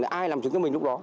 là ai làm chứng cho mình lúc đó